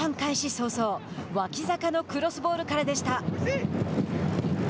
早々脇坂のクロスボールからでした。